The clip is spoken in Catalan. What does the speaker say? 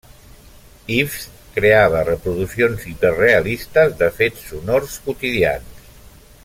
Ives creava reproduccions hiperrealistes de fets sonors quotidians.